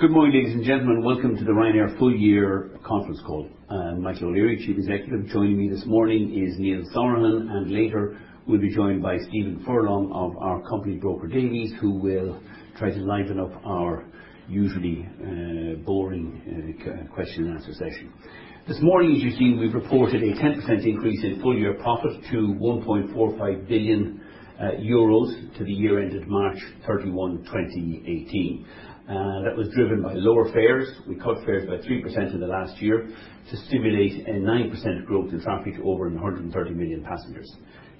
Good morning, ladies and gentlemen. Welcome to the Ryanair full year conference call. I'm Michael O'Leary, Chief Executive. Joining me this morning is Neil Sorahan, and later we'll be joined by Stephen Furlong of our company broker Davy, who will try to liven up our usually boring question and answer session. This morning, as you've seen, we've reported a 10% increase in full year profit to 1.45 billion euros to the year ended March 31, 2018. That was driven by lower fares. We cut fares by 3% in the last year to stimulate a 9% growth in traffic to over 130 million passengers.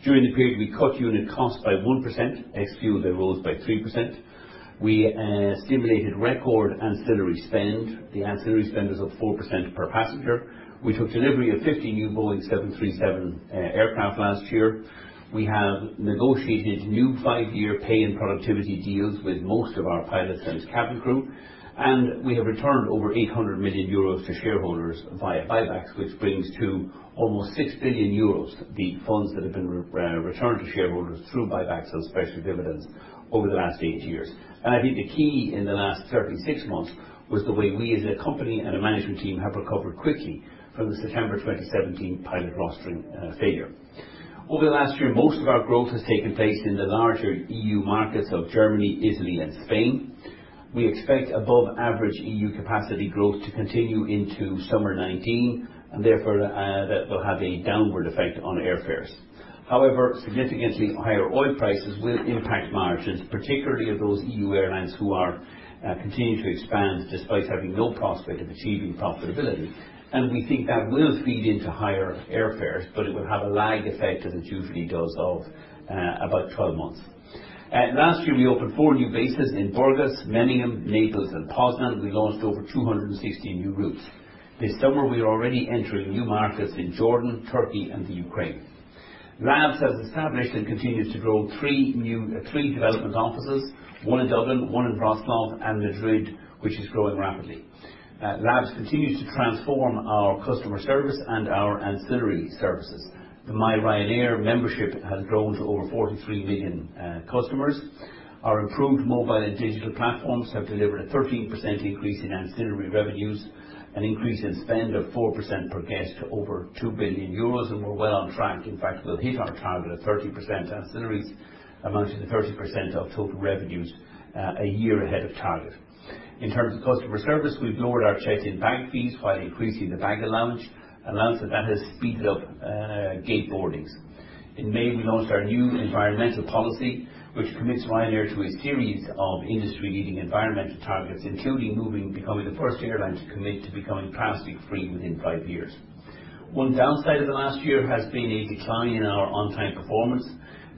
During the period, we cut unit cost by 1%, ex-fuel that rose by 3%. We stimulated record ancillary spend. The ancillary spend was up 4% per passenger. We took delivery of 50 new Boeing 737 aircraft last year. We have negotiated new five-year pay and productivity deals with most of our pilots and cabin crew. We have returned over 800 million euros to shareholders via buybacks, which brings to almost 6 billion euros the funds that have been returned to shareholders through buybacks or special dividends over the last eight years. I think the key in the last 36 months was the way we as a company and a management team have recovered quickly from the September 2017 pilot rostering failure. Over the last year, most of our growth has taken place in the larger EU markets of Germany, Italy and Spain. We expect above average EU capacity growth to continue into summer 2019, therefore that will have a downward effect on airfares. However, significantly higher oil prices will impact margins, particularly of those EU airlines who are continuing to expand despite having no prospect of achieving profitability. We think that will feed into higher airfares, but it will have a lag effect, as it usually does, of about 12 months. Last year, we opened four new bases in Burgas, Memmingen, Naples and Poznan. We launched over 260 new routes. This summer, we are already entering new markets in Jordan, Turkey and Ukraine. Labs has established and continues to grow three development offices, one in Dublin, one in Wroclaw, and Madrid, which is growing rapidly. Labs continues to transform our customer service and our ancillary services. The myRyanair membership has grown to over 43 million customers. Our improved mobile and digital platforms have delivered a 13% increase in ancillary revenues, an increase in spend of 4% per guest to over 2 billion euros. We're well on track. In fact, we'll hit our target of 30% ancillaries amounting to 30% of total revenues a year ahead of target. In terms of customer service, we've lowered our check-in bag fees while increasing the baggage allowance. Also that has speeded up gate boardings. In May, we launched our new environmental policy, which commits Ryanair to a series of industry leading environmental targets, including becoming the first airline to commit to becoming plastic free within five years. One downside of the last year has been a decline in our on time performance,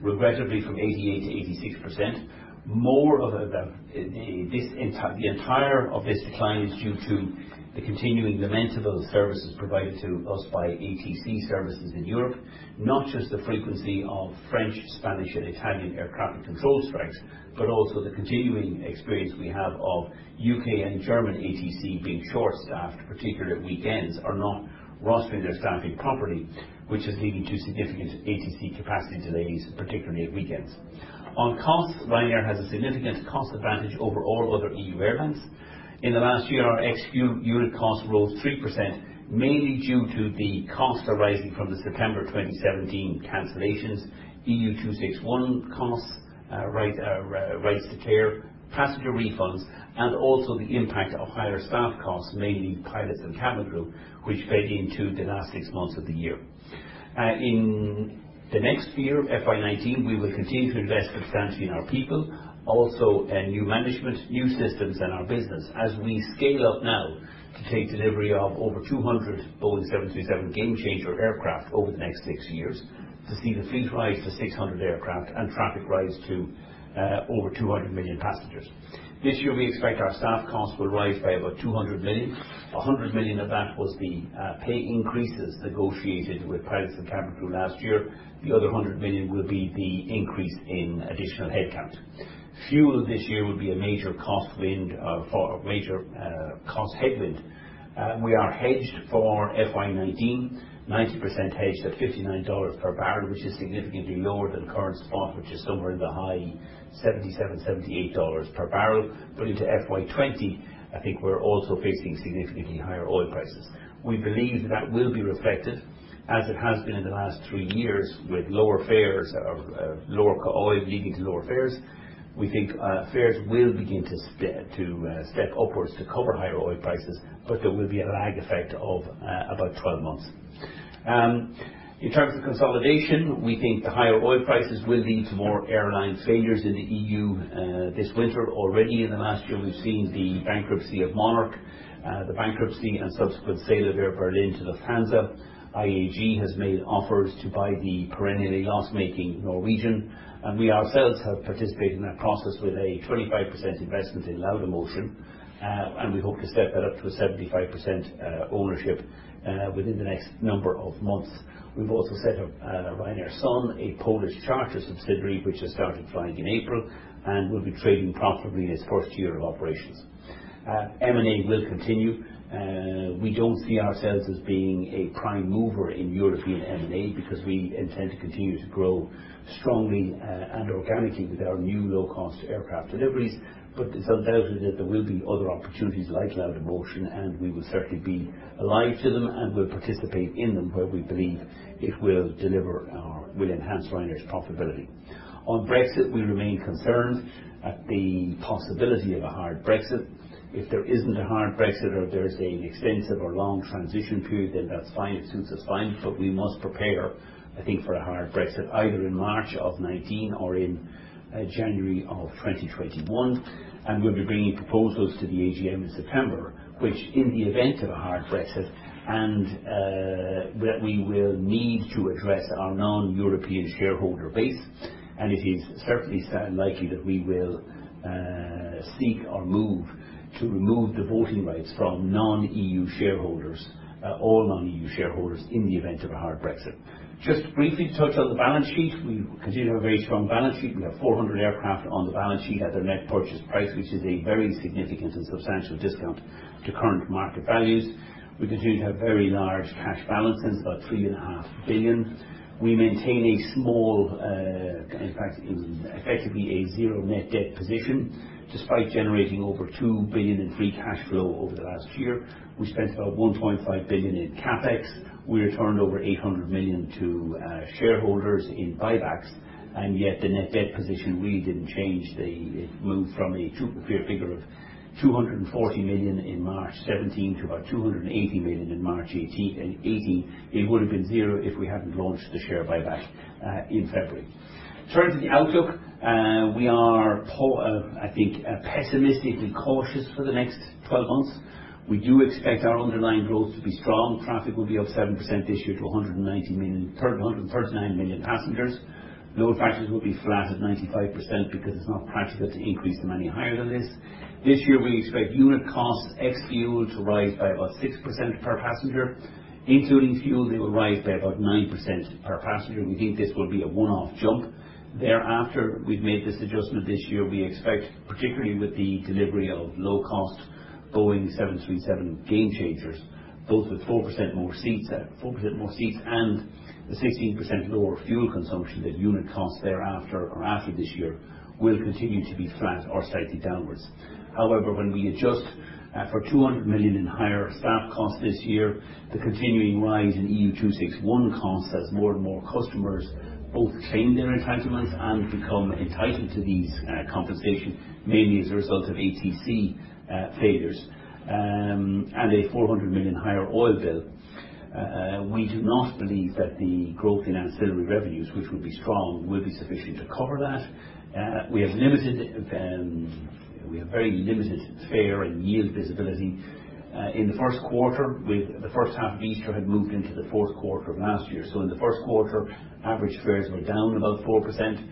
regrettably from 88% to 86%. The entire of this decline is due to the continuing lamentable services provided to us by ATC services in Europe, not just the frequency of French, Spanish and Italian aircraft and control strikes, but also the continuing experience we have of U.K. and German ATC being short staffed, particularly at weekends, are not rostering their staffing properly, which is leading to significant ATC capacity delays, particularly at weekends. On costs, Ryanair has a significant cost advantage over all other EU airlines. In the last year, our ex-fuel unit cost rose 3%, mainly due to the costs arising from the September 2017 cancellations, EU 261 costs, rights to care, passenger refunds, and also the impact of higher staff costs, mainly pilots and cabin crew, which fed into the last six months of the year. In the next year, FY 2019, we will continue to invest substantially in our people, also in new management, new systems in our business as we scale up now to take delivery of over 200 Boeing 737 Gamechanger aircraft over the next six years to see the fleet rise to 600 aircraft and traffic rise to over 200 million passengers. This year, we expect our staff costs will rise by about 200 million. 100 million of that was the pay increases negotiated with pilots and cabin crew last year. The other 100 million will be the increase in additional headcount. Fuel this year will be a major cost headwind. We are hedged for FY 2019, 90% hedged at $59 per barrel, which is significantly lower than current spot, which is somewhere in the high $77, $78 per barrel. Into FY 2020, I think we're also facing significantly higher oil prices. We believe that will be reflected as it has been in the last three years, with lower oil leading to lower fares. We think fares will begin to step upwards to cover higher oil prices, but there will be a lag effect of about 12 months. In terms of consolidation, we think the higher oil prices will lead to more airline failures in the EU this winter. Already in the last year, we've seen the bankruptcy of Monarch, the bankruptcy and subsequent sale of Air Berlin to Lufthansa. IAG has made offers to buy the perennially loss-making Norwegian, and we ourselves have participated in that process with a 25% investment in Laudamotion, and we hope to step that up to a 75% ownership within the next number of months. We've also set up Ryanair Sun, a Polish charter subsidiary which has started flying in April and will be trading profitably in its first year of operations. M&A will continue. We don't see ourselves as being a prime mover in European M&A because we intend to continue to grow strongly and organically with our new low-cost aircraft deliveries. There's no doubt that there will be other opportunities like Laudamotion, and we will certainly be alive to them and will participate in them where we believe it will enhance Ryanair's profitability. On Brexit, we remain concerned at the possibility of a hard Brexit. If there isn't a hard Brexit or there is an extensive or long transition period, then that's fine. We must prepare, I think, for a hard Brexit either in March of 2019 or in January of 2021. We'll be bringing proposals to the AGM in September, which in the event of a hard Brexit, and that we will need to address our non-European shareholder base, and it is certainly likely that we will seek or move to remove the voting rights from non-EU shareholders, all non-EU shareholders in the event of a hard Brexit. Just briefly to touch on the balance sheet, we continue to have a very strong balance sheet. We have 400 aircraft on the balance sheet at their net purchase price, which is a very significant and substantial discount to current market values. We continue to have very large cash balances, about 3.5 billion. We maintain a small, in fact, effectively a zero net debt position despite generating over 2 billion in free cash flow over the last year. We spent about 1.5 billion in CapEx. We returned over 800 million to shareholders in buybacks. The net debt position really didn't change. It moved from a figure of 240 million in March 2017 to about 280 million in March 2018. It would have been zero if we hadn't launched the share buyback in February. Turning to the outlook, we are, I think, pessimistically cautious for the next 12 months. We do expect our underlying growth to be strong. Traffic will be up 7% this year to 139 million passengers. Load factors will be flat at 95% because it's not practical to increase them any higher than this. This year, we expect unit costs ex fuel to rise by about 6% per passenger. Including fuel, they will rise by about 9% per passenger. We think this will be a one-off jump. Thereafter, we've made this adjustment this year, we expect, particularly with the delivery of low-cost Boeing 737 Gamechangers, those with 4% more seats and the 16% lower fuel consumption that unit cost thereafter or after this year will continue to be flat or slightly downwards. We do not believe that the growth in ancillary revenues, which will be strong, will be sufficient to cover that. We have very limited fare and yield visibility. In the first quarter, the first half of Easter had moved into the fourth quarter of last year. In the first quarter, average fares were down about 4%.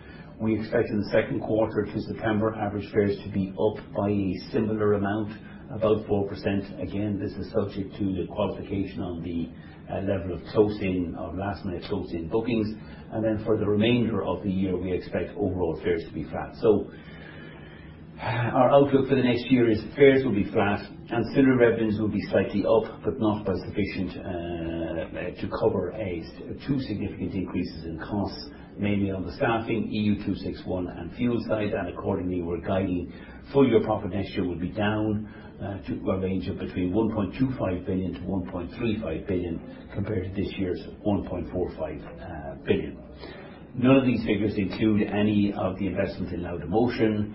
We expect in the second quarter to September average fares to be up by a similar amount, about 4%. Again, this is subject to the qualification on the level of last-minute close in bookings. For the remainder of the year, we expect overall fares to be flat. Our outlook for the next year is fares will be flat, ancillary revenues will be slightly up, but not by sufficient to cover two significant increases in costs, mainly on the staffing, EU261, and fuel side. Accordingly, we're guiding full-year profit next year will be down to a range of between 1.25 billion-1.35 billion compared to this year's 1.45 billion. None of these figures include any of the investments in Laudamotion.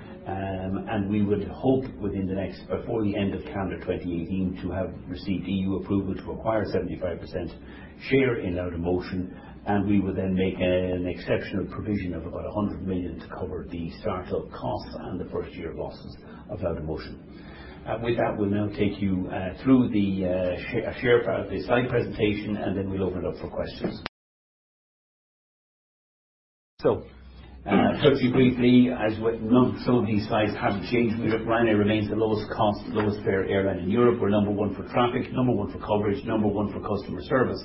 We would hope before the end of calendar 2018 to have received EU approval to acquire 75% share in Laudamotion. We will then make an exceptional provision of about 100 million to cover the start-up costs and the first-year losses of Laudamotion. With that, we'll now take you through the slide presentation. Then we'll open it up for questions. Touch on briefly, some of these slides haven't changed. Ryanair remains the lowest cost, lowest fare airline in Europe. We're number 1 for traffic, number 1 for coverage, number 1 for customer service.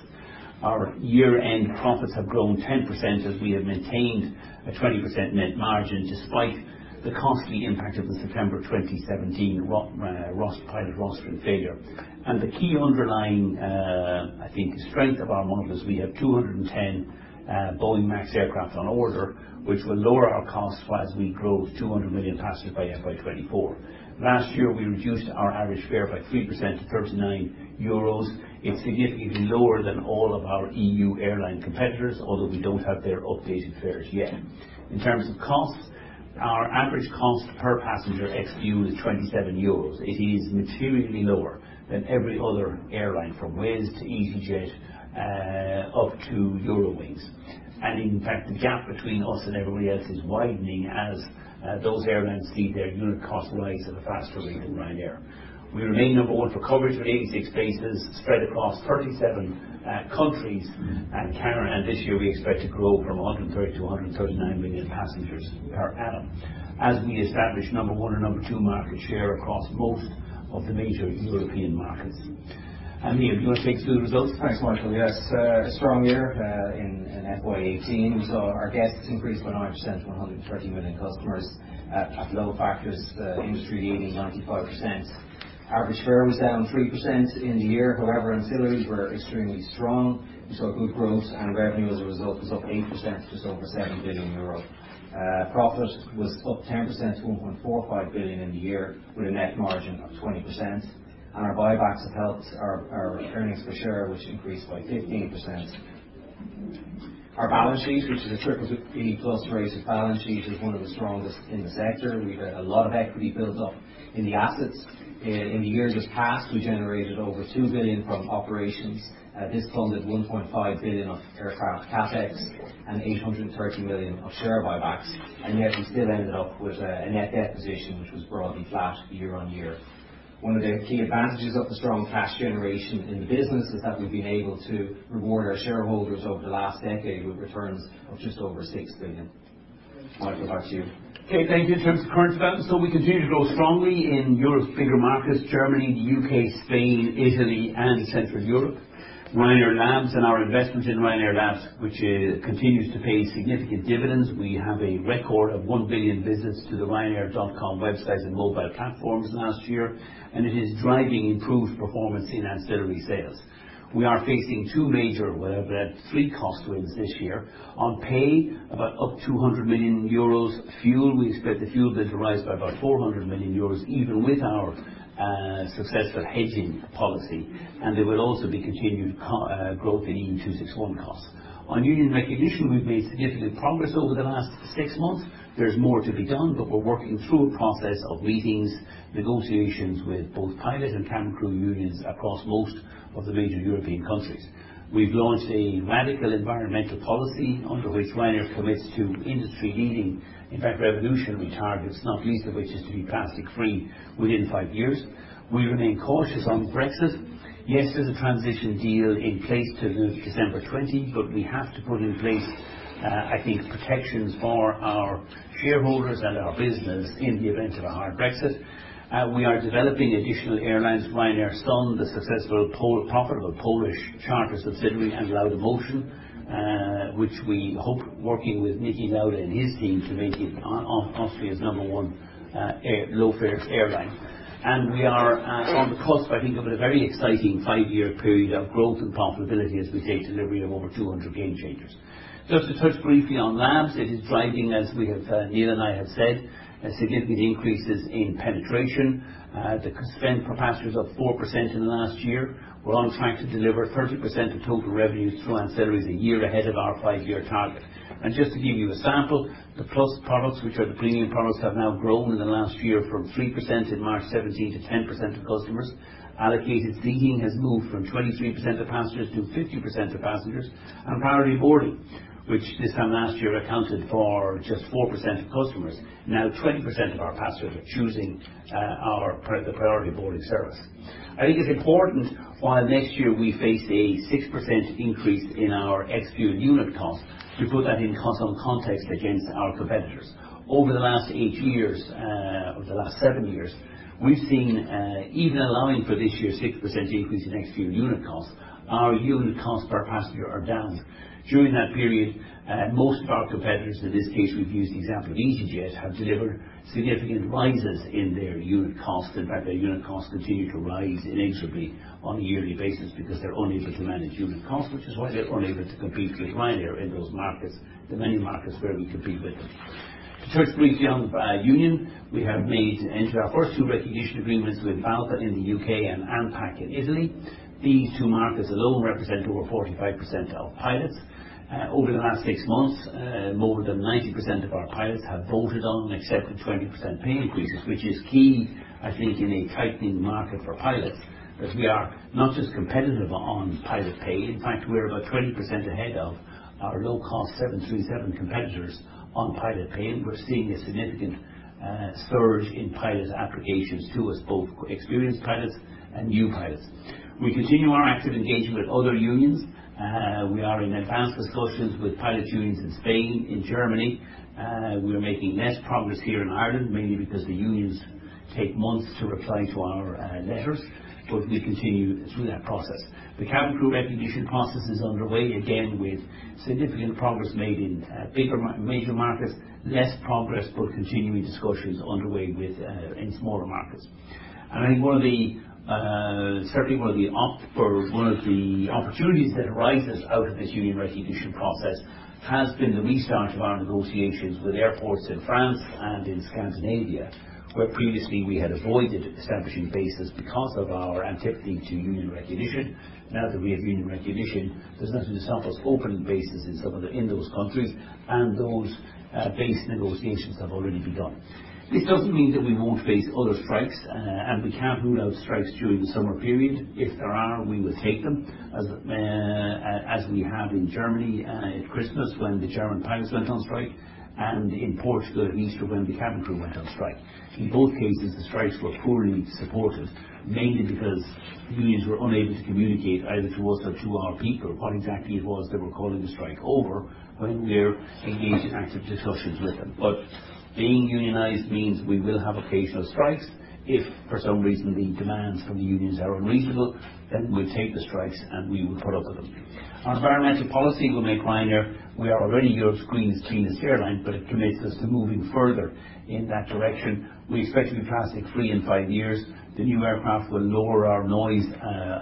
Our year-end profits have grown 10% as we have maintained a 20% net margin despite the costly impact of the September 2017 pilot rostering failure. The key underlying, I think, strength of our model is we have 210 Boeing MAX aircraft on order, which will lower our costs as we grow 200 million passengers by FY 2024. Last year, we reduced our average fare by 3% to €39. It's significantly lower than all of our EU airline competitors, although we don't have their updated fares yet. In terms of costs, our average cost per passenger ex fuel is €27. It is materially lower than every other airline, from Wizz to EasyJet, up to Eurowings. In fact, the gap between us and everybody else is widening as those airlines see their unit cost rise at a faster rate than Ryanair. We remain number 1 for coverage with 86 bases spread across 37 countries. This year, we expect to grow from 130 to 139 million passengers per annum as we establish number 1 or number 2 market share across most of the major European markets. Neil, do you want to take us through the results? Thanks, Michael. Yes, a strong year in FY 2018. We saw our guests increase by 9% to 130 million customers at load factors industry-leading 95%. Average fare was down 3% in the year. However, ancillaries were extremely strong. We saw good growth and revenue as a result was up 8% to just over €7 billion. Profit was up 10% to 1.45 billion in the year with a net margin of 20%. Our buybacks have helped our earnings per share, which increased by 15%. Our balance sheet, which is a BBB+ rated balance sheet, is one of the strongest in the sector. We've had a lot of equity built up in the assets. In the years just past, we generated over 2 billion from operations. This funded 1.5 billion of aircraft CapEx and 830 million of share buybacks, yet we still ended up with a net debt position which was broadly flat year-on-year. One of the key advantages of the strong cash generation in the business is that we've been able to reward our shareholders over the last decade with returns of just over 6 billion. Michael, back to you. Okay, thank you. In terms of current events, we continue to grow strongly in Europe's bigger markets, Germany, U.K., Spain, Italy and Central Europe. Ryanair Labs and our investment in Ryanair Labs, which continues to pay significant dividends. We have a record of 1 billion visits to the ryanair.com websites and mobile platforms last year, it is driving improved performance in ancillary sales. We are facing two major, well, fleet cost wins this year on pay, about up 200 million euros. Fuel, we expect the fuel bill to rise by about 400 million euros, even with our successful hedging policy. There will also be continued growth in 261 costs. On union recognition, we've made significant progress over the last six months. There's more to be done, we're working through a process of meetings, negotiations with both pilot and cabin crew unions across most of the major European countries. We've launched a radical environmental policy under which Ryanair commits to industry-leading, in fact, revolutionary targets, not least of which is to be plastic-free within five years. We remain cautious on Brexit. Yes, there's a transition deal in place till December 2020, we have to put in place, I think, protections for our shareholders and our business in the event of a hard Brexit. We are developing additional airlines, Ryanair Sun, the successful, profitable Polish charter subsidiary, and Laudamotion, which we hope, working with Niki Lauda and his team, to make it Austria's number one low-fares airline. We are on the cusp, I think, of a very exciting five-year period of growth and profitability as we take delivery of over 200 Gamechangers. Just to touch briefly on labs. It is driving, as Neil and I have said, significant increases in penetration. The spend per passenger is up 4% in the last year. We're on track to deliver 30% of total revenues through ancillaries a year ahead of our five-year target. Just to give you a sample, the plus products, which are the premium products, have now grown in the last year from 3% in March 2017 to 10% of customers. Allocated seating has moved from 23% of passengers to 50% of passengers. Priority boarding, which this time last year accounted for just 4% of customers, now 20% of our passengers are choosing the priority boarding service. I think it's important while next year we face a 6% increase in our ex-fuel unit cost to put that in context against our competitors. Over the last eight years, or the last seven years, we've seen, even allowing for this year's 6% increase in ex-fuel unit costs, our unit costs per passenger are down. During that period, most of our competitors, in this case we've used the example of EasyJet, have delivered significant rises in their unit costs. In fact, their unit costs continue to rise inexorably on a yearly basis because they're unable to manage unit costs, which is why they're unable to compete with Ryanair in those markets, the many markets where we compete with them. To touch briefly on union. We have made and entered our first two recognition agreements with BALPA in the U.K. and ANPAC in Italy. These two markets alone represent over 45% of pilots. Over the last six months, more than 90% of our pilots have voted on and accepted 20% pay increases, which is key, I think, in a tightening market for pilots, that we are not just competitive on pilot pay. In fact, we're about 20% ahead of our low-cost 737 competitors on pilot pay, and we're seeing a significant surge in pilot applications to us, both experienced pilots and new pilots. We continue our active engagement with other unions. We are in advanced discussions with pilots unions in Spain, in Germany. We are making less progress here in Ireland, mainly because the unions take months to reply to our letters, but we continue through that process. The cabin crew recognition process is underway again with significant progress made in major markets, less progress, but continuing discussions underway in smaller markets. I think certainly one of the opportunities that arises out of this union recognition process has been the restart of our negotiations with airports in France and in Scandinavia, where previously we had avoided establishing bases because of our antipathy to union recognition. Now that we have union recognition, there's nothing to stop us opening bases in those countries, and those base negotiations have already begun. This doesn't mean that we won't face other strikes, and we can't rule out strikes during the summer period. If there are, we will take them, as we have in Germany at Christmas when the German pilots went on strike, and in Portugal at Easter when the cabin crew went on strike. In both cases, the strikes were poorly supported, mainly because the unions were unable to communicate either to us or to our people what exactly it was they were calling the strike over when we're engaged in active discussions with them. Being unionized means we will have occasional strikes. If for some reason the demands from the unions are unreasonable, then we'll take the strikes, and we will put up with them. On environmental policy with Ryanair, we are already Europe's greenest cleanest airline, but it commits us to moving further in that direction. We expect to be plastic-free in five years. The new aircraft will lower our noise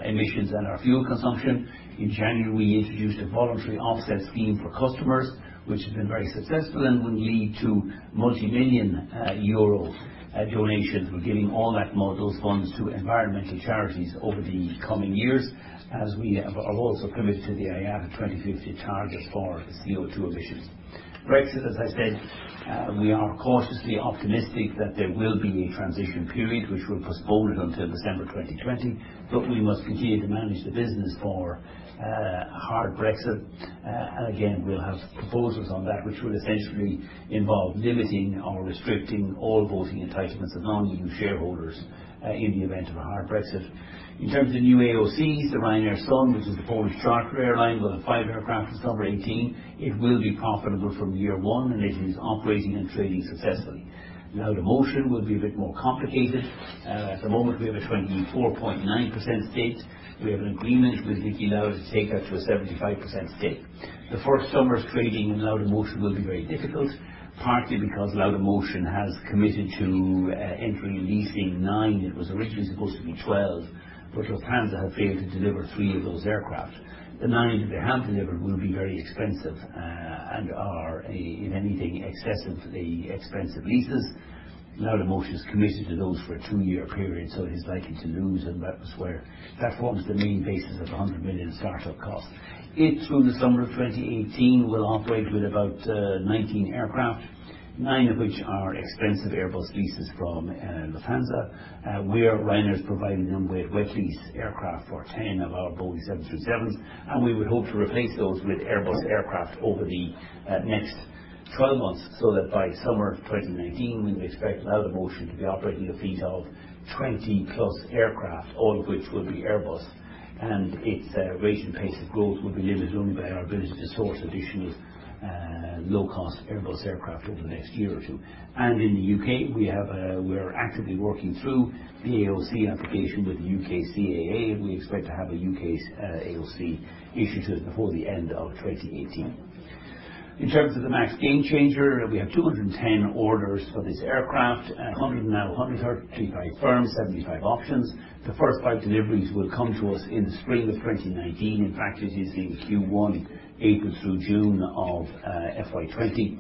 emissions and our fuel consumption. In January, we introduced a voluntary offset scheme for customers, which has been very successful and will lead to multimillion EUR donations. We're giving all those funds to environmental charities over the coming years as we are also committed to the IATA 2050 target for CO2 emissions. Brexit, as I said, we are cautiously optimistic that there will be a transition period which will postpone it until December 2020, but we must continue to manage the business for a hard Brexit. Again, we'll have proposals on that which will essentially involve limiting or restricting all voting entitlements of non-EU shareholders, in the event of a hard Brexit. In terms of new AOCs, Ryanair Sun, which is the Polish charter airline with 5 aircraft out of 18, it will be profitable from year one, and it is operating and trading successfully. Laudamotion will be a bit more complicated. At the moment, we have a 24.9% stake. We have an agreement with Niki Lauda to take that to a 75% stake. The first summer's trading in Laudamotion will be very difficult, partly because Laudamotion has committed to entering and leasing 9, it was originally supposed to be 12, but Lufthansa have failed to deliver 3 of those aircraft. The 9 that they have delivered will be very expensive and are if anything excessively expensive leases. Laudamotion's committed to those for a two-year period, so it is likely to lose, and that forms the main basis of the 100 million startup cost. It, through the summer of 2018, will operate with about 19 aircraft, 9 of which are expensive Airbus leases from Lufthansa, where Ryanair's providing them with wet lease aircraft for 10 of our Boeing 737s, and we would hope to replace those with Airbus aircraft over the next 12 months, so that by summer 2019, we'd expect Laudamotion to be operating a fleet of 20-plus aircraft, all of which will be Airbus. Its rate and pace of growth will be limited only by our ability to source additional low-cost Airbus aircraft over the next year or 2. In the U.K., we're actively working through the AOC application with the U.K. CAA, and we expect to have a U.K. AOC issued to us before the end of 2018. In terms of the MAX Gamechanger, we have 210 orders for this aircraft, 135 firm, 75 options. The first 5 deliveries will come to us in the spring of 2019. In fact, it is in Q1, April through June of FY 2020.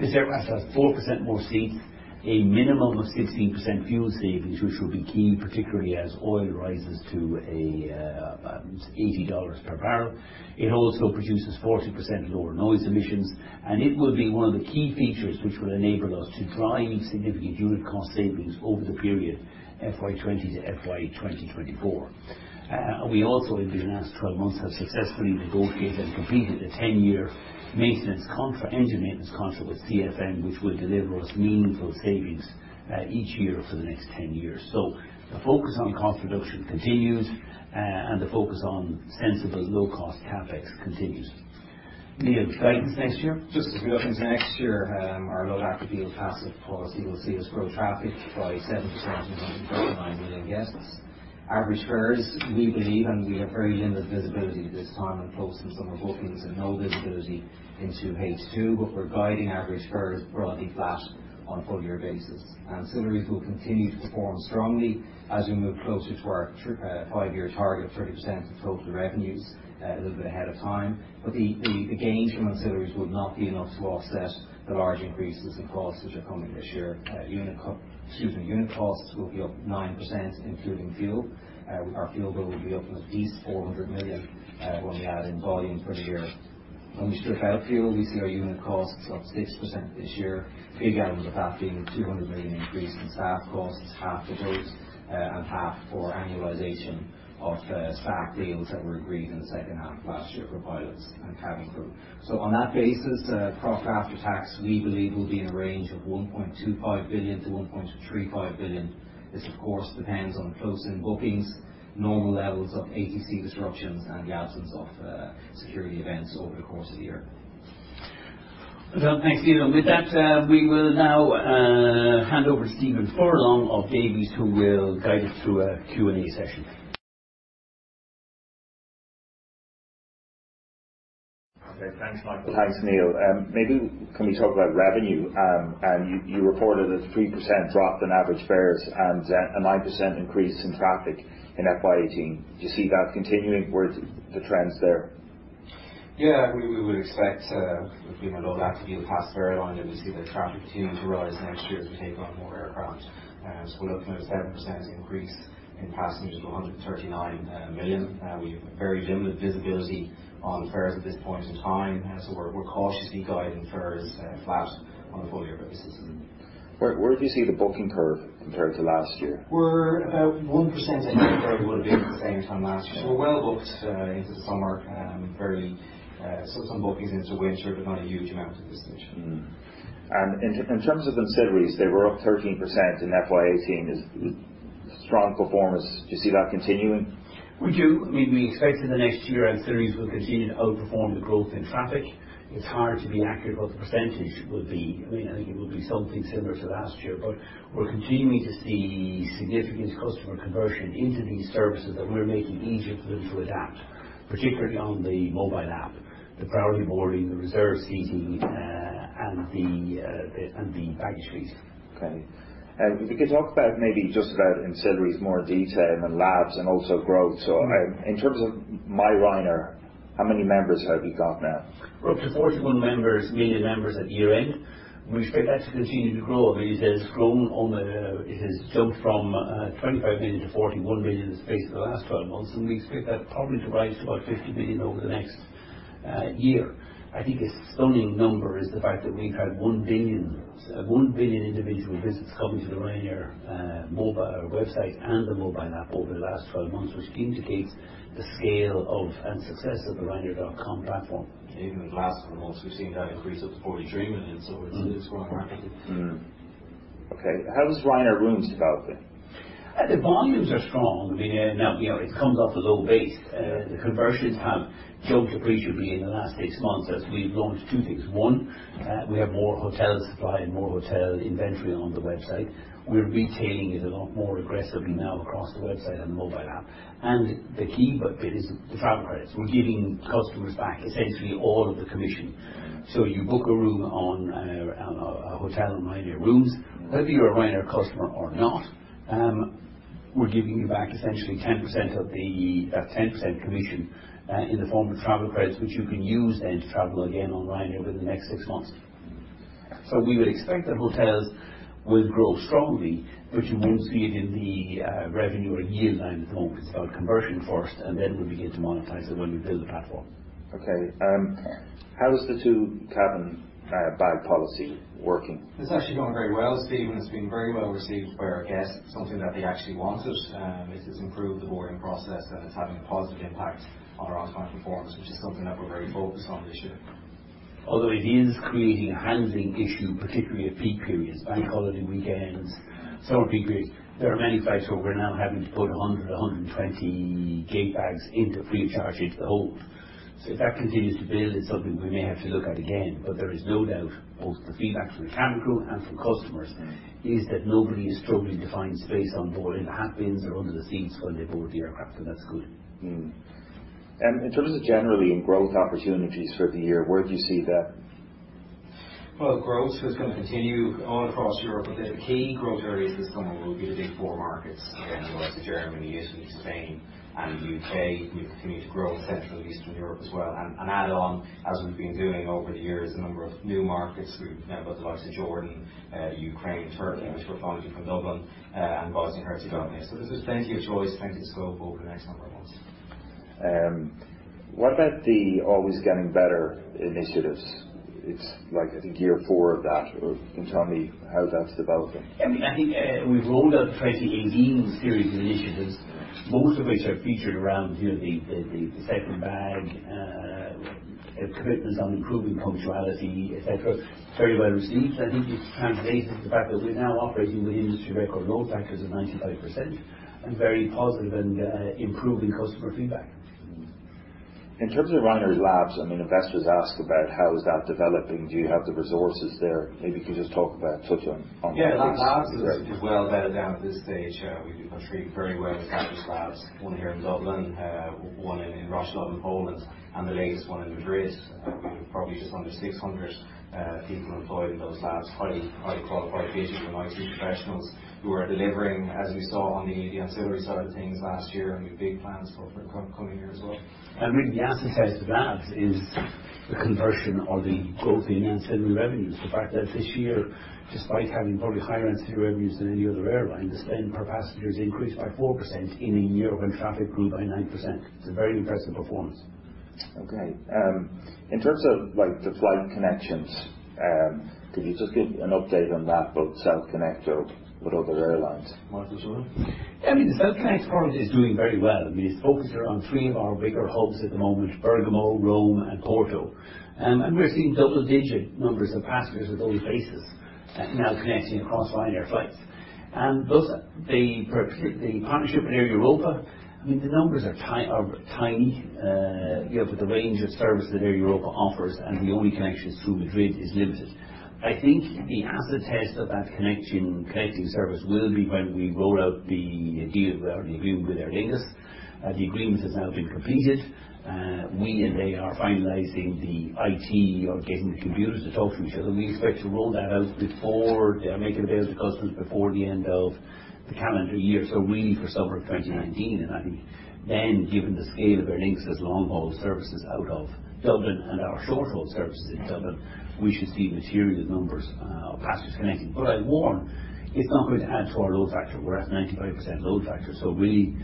This aircraft has 4% more seats, a minimum of 16% fuel savings, which will be key, particularly as oil rises to about $80 per barrel. It also produces 40% lower noise emissions, and it will be one of the key features which will enable us to drive significant unit cost savings over the period FY 2020 to FY 2024. We also, in the last 12 months, have successfully negotiated and completed a 10-year engine maintenance contract with CFM, which will deliver us meaningful savings each year for the next 10 years. The focus on cost reduction continues, and the focus on sensible low-cost CapEx continues. Neil, guidance next year? Just to give you guidance next year, our low-fare, low-cost policy will see us grow traffic by 7% to 139 million guests. Average fares, we believe, and we have very limited visibility at this time and close to the summer bookings and no visibility into H2, but we're guiding average fares broadly flat on a full-year basis. Ancillaries will continue to perform strongly as we move closer to our five-year target of 30% of total revenues a little bit ahead of time. The gains from ancillaries will not be enough to offset the large increases in costs which are coming this year. Unit costs will be up 9%, including fuel. Our fuel bill will be up at least 400 million when we add in volume for the year. When we strip out fuel, we see our unit costs up 6% this year, big elements of that being the 200 million increase in staff costs, half of those, and half for annualization of staff deals that were agreed in the second half of last year for pilots and cabin crew. On that basis, profit after tax, we believe, will be in a range of 1.25 billion-1.35 billion. This, of course, depends on close-in bookings, normal levels of ATC disruptions, and the absence of security events over the course of the year. Well done. Thanks, Neil. With that, we will now hand over to Stephen Furlong of Davy, who will guide us through a Q&A session. Okay. Thanks, Michael. Thanks, Neil. Maybe can we talk about revenue? You reported a 3% drop in average fares and a 9% increase in traffic in FY 2018. Do you see that continuing with the trends there? Yeah, we would expect with being a low-fare, low-cost airline that we see the traffic continuing to rise next year as we take on more aircraft. We're looking at a 7% increase in passengers to 139 million. We have very limited visibility on fares at this point in time. We're cautiously guiding fares flat on a full-year basis. Where do you see the booking curve compared to last year? We're about 1% ahead where we would have been at the same time last year. We're well-booked into the summer and some bookings into winter, not a huge amount at this stage. Mm-hmm. In terms of ancillaries, they were up 13% in FY 2018. Strong performance. Do you see that continuing? We do. We expect in the next year our ancillaries will continue to outperform the growth in traffic. It's hard to be accurate what the percentage will be. I think it will be something similar to last year. We're continuing to see significant customer conversion into these services that we're making easier for them to adapt, particularly on the mobile app, the priority boarding, the reserve seating, and the baggage fees. Okay. If you could talk about maybe just about ancillaries in more detail, and then labs and also growth. In terms of myRyanair, how many members have you got now? We're up to 41 million members at year-end. We expect that to continue to grow. It has jumped from 25 million to 41 million in the space of the last 12 months, and we expect that probably to rise to about 50 million over the next year. I think a stunning number is the fact that we've had 1 billion individual visits coming to the Ryanair website and the mobile app over the last 12 months, which indicates the scale of and success of the ryanair.com platform. Even in the last 12 months, we've seen that increase up to 43 million. It is growing rapidly. Okay. How is Ryanair Rooms developing? The volumes are strong. It comes off a low base. The conversions have jumped appreciably in the last six months as we've launched two things. One, we have more hotel supply and more hotel inventory on the website. We're retailing it a lot more aggressively now across the website and the mobile app. The key bit is the travel credits. We're giving customers back essentially all of the commission. You book a room on a hotel on Ryanair Rooms, whether you're a Ryanair customer or not, we're giving you back essentially 10% commission, in the form of travel credits, which you can use then to travel again on Ryanair within the next six months. We would expect that hotels will grow strongly, but you won't see it in the revenue or yield line at the moment. It's about conversion first. We'll begin to monetize it when we build the platform. Okay. How is the two cabin bag policy working? It's actually going very well, Stephen. It's been very well received by our guests, something that they actually wanted. It has improved the boarding process. It's having a positive impact on our on-time performance, which is something that we're very focused on this year. It is creating a handling issue, particularly at peak periods, bank holiday weekends, summer peak periods. There are many flights where we're now having to put 100, 120 gate bags into free of charge into the hold. If that continues to build, it's something we may have to look at again. There is no doubt, both the feedback from the cabin crew and from customers is that nobody is struggling to find space on board in the hat bins or under the seats when they board the aircraft, so that's good. In terms of generally growth opportunities for the year, where do you see that? growth is going to continue all across Europe, but the key growth areas this summer will be the Big Four markets. Again, those are Germany, Italy, Spain, and the U.K. We continue to grow Central and Eastern Europe as well and add on, as we've been doing over the years, a number of new markets. We've now got the likes of Jordan, Ukraine, Turkey, which we're flying to from Dublin, and Bosnia and Herzegovina. There's plenty of choice, plenty of scope over the next number of months. What about the Always Getting Better initiatives? It's like, I think year four of that. Can you tell me how that's developing? I think we've rolled out 2018 series of initiatives, most of which are featured around the second bag, commitments on improving punctuality, et cetera. Very well received. I think it translates into the fact that we're now operating with industry record load factors of 95% and very positive and improving customer feedback. In terms of Ryanair Labs, investors ask about how is that developing. Do you have the resources there? Maybe you can just touch on that please. Yeah, Ryanair Labs is well bedded down at this stage. We've been treating very well the various labs, one here in Dublin, one in Wroclaw in Poland, and the latest one in Madrid. We've probably just under 600 people employed in those labs, highly qualified digital and IT professionals who are delivering, as we saw on the ancillary side of things last year, and we have big plans for the coming year as well. Really the acid test of that is the conversion or the growth in ancillary revenues. The fact that this year, despite having probably higher ancillary revenues than any other airline, the spend per passenger has increased by 4% in a year when traffic grew by 9%. It's a very impressive performance. Okay. In terms of the flight connections, could you just give an update on that, both South Connect or with other airlines? Michael, do you want to? The South Connect product is doing very well. It's focused around three of our bigger hubs at the moment, Bergamo, Rome, and Porto. We're seeing double-digit numbers of passengers at those bases now connecting across Ryanair flights. The partnership with Air Europa, the numbers are tiny. With the range of services that Air Europa offers and the only connection is through Madrid is limited. I think the acid test of that connecting service will be when we roll out the deal or the agreement with Aer Lingus. The agreement has now been completed. We and they are finalizing the IT or getting the computers to talk to each other, and we expect to roll that out and make it available to customers before the end of the calendar year. Really for summer of 2019. I think then given the scale of Aer Lingus' long-haul services out of Dublin and our short-haul services in Dublin, we should see material numbers of passengers connecting. I warn, it's not going to add to our load factor. We're at 95% load factor. Really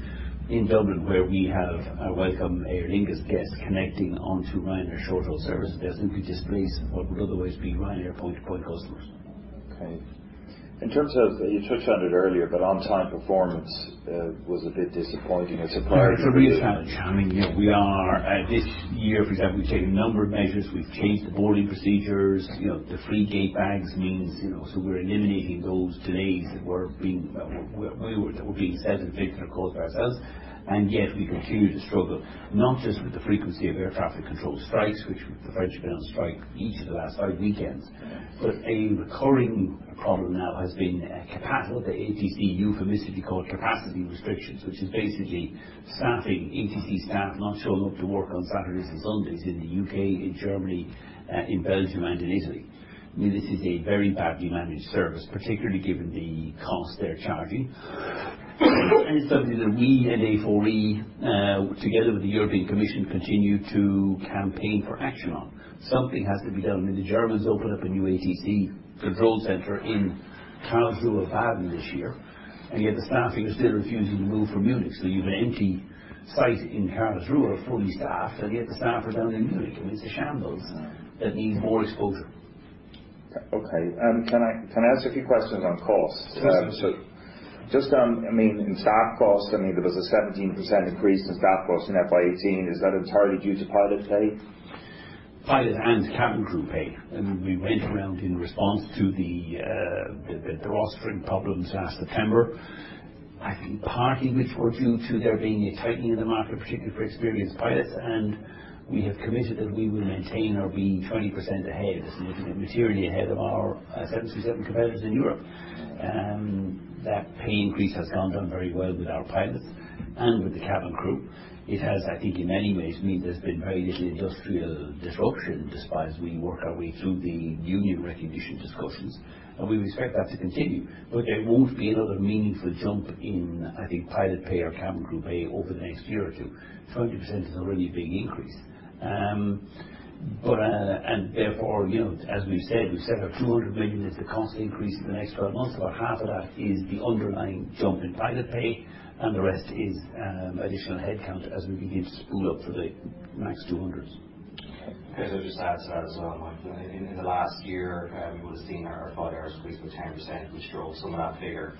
in Dublin, where we have our welcome Aer Lingus guests connecting onto Ryanair short-haul services, they're simply displacing what would otherwise be Ryanair point-to-point customers. Okay. You touched on it earlier, on-time performance was a bit disappointing. I was surprised. Yeah. It's a real challenge. This year, for example, we've taken a number of measures. We've changed the boarding procedures. The free gate bags means we're eliminating those delays that were being self-inflicted or caused by ourselves. Yet we continue to struggle, not just with the frequency of air traffic control strikes, which the French have been on strike each of the last five weekends. A recurring problem now has been what the ATC euphemistically call capacity restrictions, which is basically ATC staff not showing up to work on Saturdays and Sundays in the U.K., in Germany, in Belgium and in Italy. This is a very badly managed service, particularly given the cost they're charging. It's something that we at A4E, together with the European Commission, continue to campaign for action on. Something has to be done. The Germans open up a new ATC control center in Karlsruhe Baden this year, and yet the staffing is still refusing to move from Munich. You have an empty site in Karlsruhe, fully staffed, and yet the staff are down in Munich. I mean, it's a shambles that needs more exposure. Okay. Can I ask a few questions on cost? Yes, absolutely. Just on staff cost, there was a 17% increase in staff cost in FY 2018. Is that entirely due to pilot pay? Pilot and cabin crew pay. We went around in response to the rostering problems last September, I think partly which were due to there being a tightening of the market, particularly for experienced pilots. We have committed that we will maintain or be 20% ahead, materially ahead of our 737 competitors in Europe. That pay increase has gone down very well with our pilots and with the cabin crew. It has, I think in many ways, meant there's been very little industrial disruption despite as we work our way through the union recognition discussions, and we expect that to continue. There won't be another meaningful jump in, I think, pilot pay or cabin crew pay over the next year or two. 20% is a really big increase. Therefore, as we've said, we've set our 200 million as the cost increase in the next 12 months, about half of that is the underlying jump in pilot pay and the rest is additional headcount as we begin to spool up for the MAX 200s. Okay. Can I just add to that as well, Michael? In the last year, we would've seen our flight hours increase by 10%, which drove some of that figure.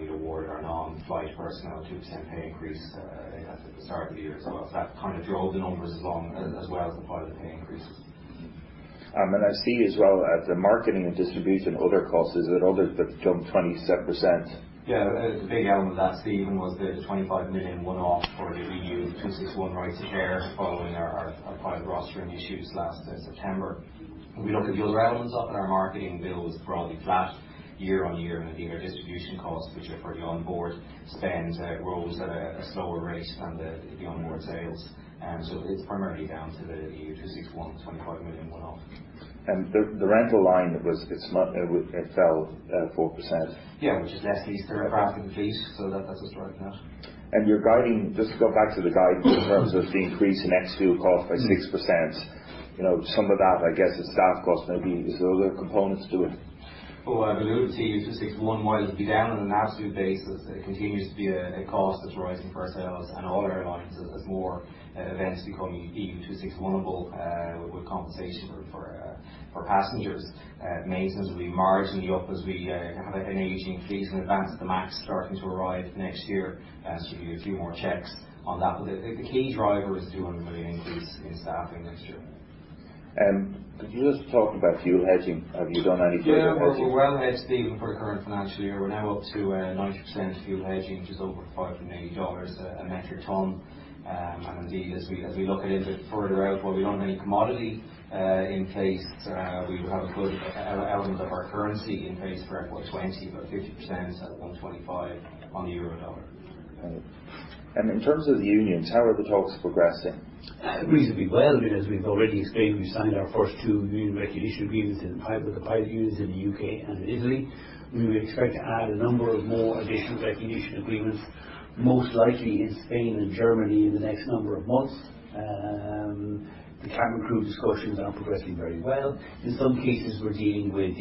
We'd award our non-flight personnel a 2% pay increase, I think that's at the start of the year as well. That drove the numbers along as well as the pilot pay increases. I see as well that the marketing and distribution, other costs, that jumped 27%. Yeah. The big element of that, Stephen, was the 25 million one-off for the EU 261 rights of care following our pilot rostering issues last September. If we look at the other elements of it, our marketing bill was broadly flat year-on-year, indeed our distribution costs, which are fairly onboard spend, rose at a slower rate than the onboard sales. It's primarily down to the EU 261 25 million one-off. The rental line fell 4%. Yeah, which is less leased aircraft in the fleet. That's what's driving that. Just to go back to the guidance in terms of the increase in ex-fuel cost by 6%, some of that I guess is staff cost maybe. Is there other components to it? Well, I believe EU 261, while it'll be down on an absolute basis, it continues to be a cost that's rising for ourselves and all airlines as more events become EU 261-able with compensation for passengers. Maintenance will be marginally up as we have an aging fleet and the MAX starting to arrive next year, so you need a few more checks on that. The key driver is the 200 million increase in staffing next year. Could you just talk about fuel hedging? Have you done any fuel hedging? Yeah. We're well hedged, Stephen, for the current financial year. We're now up to 90% fuel hedging, which is over $580 a metric ton. Indeed, as we look a little bit further out, while we don't have any commodity in place, we do have a good element of our currency in place for FY 2020, about 50% at 125 on the euro dollar. Okay. In terms of the unions, how are the talks progressing? Reasonably well. As we've already stated, we signed our first two union recognition agreements with the pilot unions in the U.K. and in Italy. We expect to add a number of more additional recognition agreements, most likely in Spain and Germany in the next number of months. The cabin crew discussions are progressing very well. In some cases, we're dealing with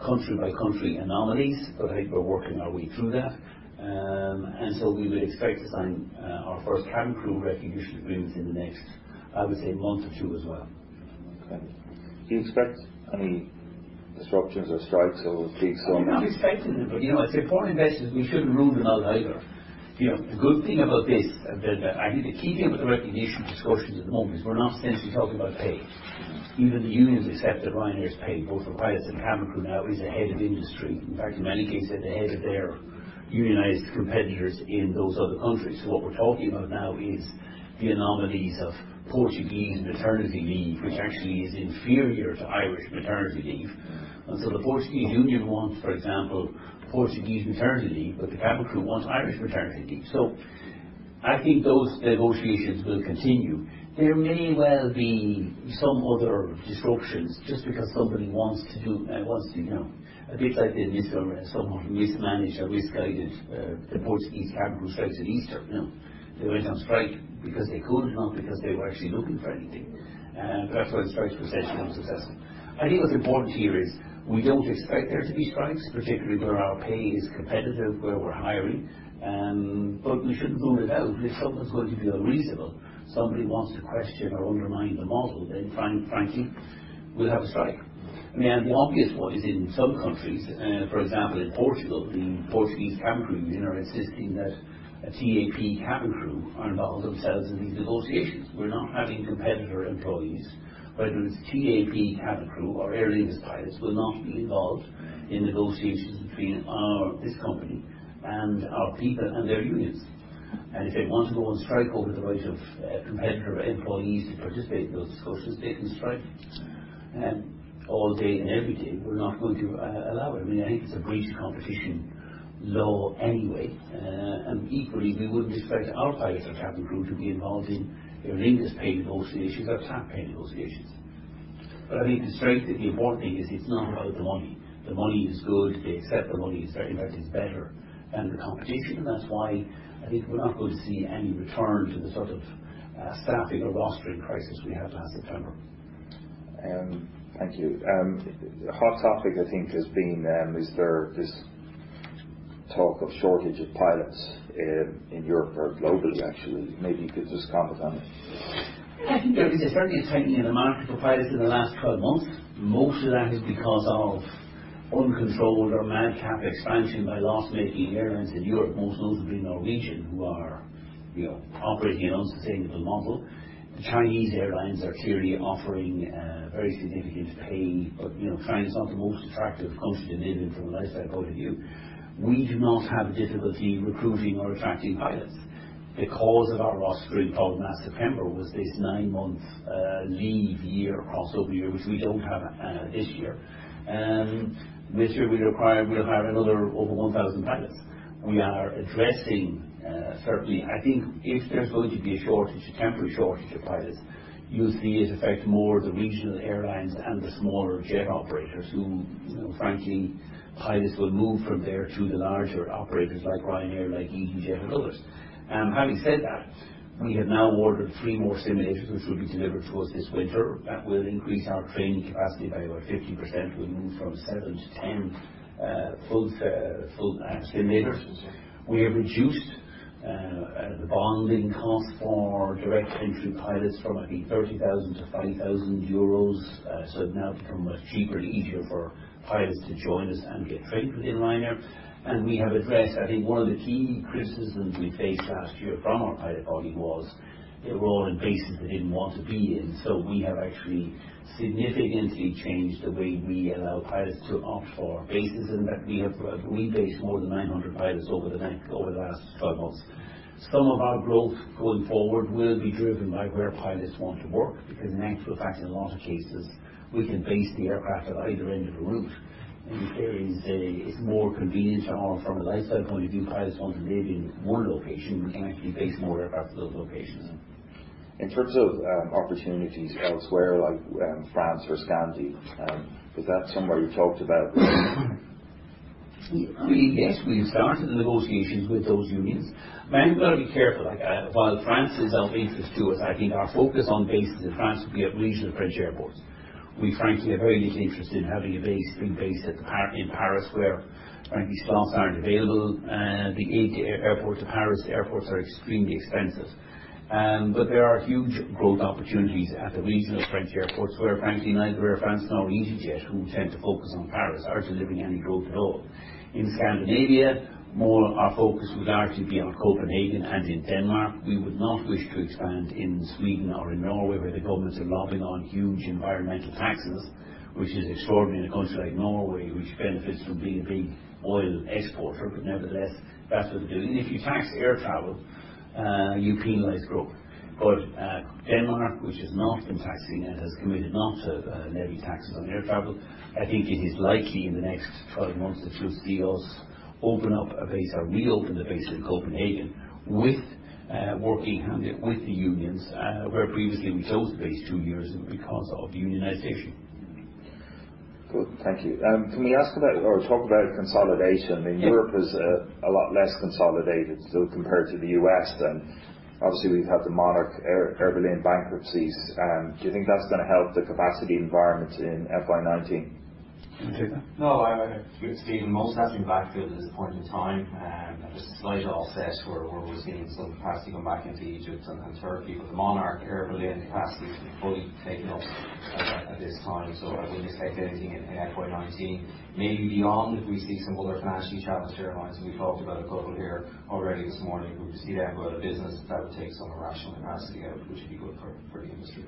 country by country anomalies, but I think we're working our way through that. We would expect to sign our first cabin crew recognition agreements in the next, I would say, month or two as well. Okay. Do you expect any disruptions or strikes or pickets or anything? We're not expecting it. As a poor investor, we shouldn't rule them out either. The good thing about this, I think the key thing about the recognition discussions at the moment is we're not essentially talking about pay. Even the unions accept that Ryanair's pay both for pilots and cabin crew now is ahead of industry. In fact, in many cases, they're ahead of their unionized competitors in those other countries. What we're talking about now is the anomalies of Portuguese maternity leave, which actually is inferior to Irish maternity leave. The Portuguese union wants, for example, Portuguese maternity leave, but the cabin crew wants Irish maternity leave. I think those negotiations will continue. There may well be some other disruptions just because somebody wants to, a bit like the somewhat mismanaged or misguided Portuguese cabin crew strikes at Easter. They went on strike because they could, not because they were actually looking for anything. That's why the strikes were essentially unsuccessful. I think what's important here is we don't expect there to be strikes, particularly where our pay is competitive, where we're hiring. We shouldn't rule it out. If someone's going to be unreasonable, somebody wants to question or undermine the model, then We'll have a strike. The obvious one is in some countries, for example, in Portugal, the Portuguese cabin crew are insisting that TAP cabin crew involve themselves in these negotiations. We're not having competitor employees, whether it's TAP cabin crew or Aer Lingus pilots, will not be involved in negotiations between this company and our people and their unions. If they want to go on strike over the right of competitor employees to participate in those discussions, they can strike all day and every day. We're not going to allow it. I think it's a breach of competition law anyway. Equally, we wouldn't expect our pilots or cabin crew to be involved in Aer Lingus pay negotiations or TAP pay negotiations. I think the strike, the important thing is it's not about the money. The money is good. They accept the money is very much better than the competition. That's why I think we're not going to see any return to the sort of staffing or rostering crisis we had last September. Thank you. A hot topic I think has been this talk of shortage of pilots in Europe or globally, actually. Maybe you could just comment on it. Yeah. There's certainly a tightening in the market for pilots in the last 12 months. Most of that is because of uncontrolled or madcap expansion by loss-making airlines in Europe, most notably Norwegian, who are operating an unsustainable model. The Chinese airlines are clearly offering very significant pay, but China's not the most attractive country to live in from a lifestyle point of view. We do not have a difficulty recruiting or attracting pilots. The cause of our rostering problem last September was this nine-month leave year, crossover year, which we don't have this year. This year, we require we'll have another over 1,000 pilots. We are addressing certainly, I think if there's going to be a temporary shortage of pilots, you'll see it affect more the regional airlines and the smaller jet operators who, frankly, pilots will move from there to the larger operators like Ryanair, like EasyJet and others. Having said that, we have now ordered three more simulators which will be delivered to us this winter. That will increase our training capacity by about 50%. We'll move from seven to 10 full simulators. We have reduced the bonding cost for direct entry pilots from, I think, 30,000 to 5,000 euros. It's now become much cheaper and easier for pilots to join us and get trained within Ryanair. We have addressed, I think one of the key criticisms we faced last year from our pilot body was they were all in bases they didn't want to be in. We have actually significantly changed the way we allow pilots to opt for bases and that we have rebased more than 900 pilots over the last 12 months. Some of our growth going forward will be driven by where pilots want to work, because in actual fact, in a lot of cases, we can base the aircraft at either end of the route. If it's more convenient or from a lifestyle point of view, pilots want to live in one location, we can actually base more aircraft at those locations. In terms of opportunities elsewhere, like France or Scandi, is that somewhere you've talked about? Yes. We have started the negotiations with those unions. You've got to be careful. While France is of interest to us, I think our focus on bases in France will be at regional French airports. We frankly have very little interest in having a base being based in Paris, where frankly, slots aren't available. The eight airports of Paris, the airports are extremely expensive. There are huge growth opportunities at the regional French airports where frankly, neither Air France nor EasyJet, who tend to focus on Paris, are delivering any growth at all. In Scandinavia, our focus would largely be on Copenhagen and in Denmark. We would not wish to expand in Sweden or in Norway, where the governments are levying on huge environmental taxes, which is extraordinary in a country like Norway, which benefits from being a big oil exporter. Nevertheless, that's what they're doing. If you tax air travel, you penalize growth. Denmark, which has not been taxing it, has committed not to levy taxes on air travel. I think it is likely in the next 12 months that you'll see us open up a base or reopen the base in Copenhagen with working hand in with the unions, where previously we closed the base two years ago because of unionization. Good. Thank you. Can we ask about or talk about consolidation? Yeah. Europe is a lot less consolidated still compared to the U.S. Obviously, we've had the Monarch, Air Berlin bankruptcies. Do you think that's going to help the capacity environment in FY 2019? Can you take that? We've seen most of that being backfilled at this point in time. There's a slight offset where we're seeing some capacity come back into Egypt and Turkey, but the Monarch, Air Berlin capacity has been fully taken up at this time. I wouldn't expect anything in FY 2019. Maybe beyond if we see some other financially challenged airlines, and we've talked about a couple here already this morning. If we see them go out of business, that would take some irrational capacity out, which would be good for the industry.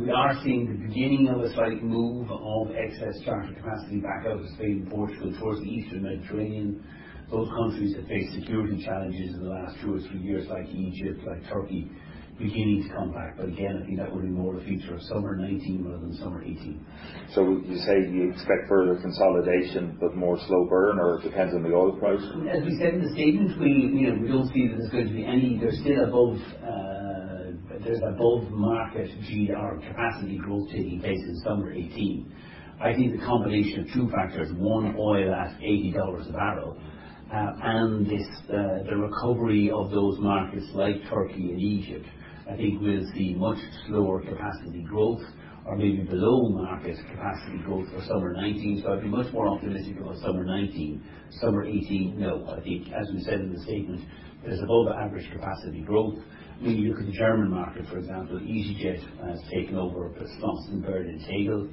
We are seeing the beginning of a slight move of excess charter capacity back out of Spain and Portugal towards the Eastern Mediterranean. Both countries have faced security challenges in the last two or three years, like Egypt, like Turkey, beginning to come back. Again, I think that would be more the future of summer 2019 rather than summer 2018. Would you say you expect further consolidation, more slow burn, or it depends on the oil price? As we said in the statement, we don't see that there's going to be any. There's above-market GR capacity growth taking place this summer 2018. I think the combination of two factors, one, oil at $80 a barrel and the recovery of those markets like Turkey and Egypt, I think we'll see much slower capacity growth or maybe below-market capacity growth for summer 2019. I'd be much more optimistic about summer 2019. Summer 2018, no. I think as we said in the statement, there's above-average capacity growth. When you look at the German market, for example, EasyJet has taken over the slots in Berlin Tegel.